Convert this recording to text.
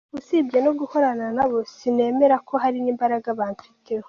Usibye no gukorana nabo, sinemera ko hari n’imbaraga bamfiteho.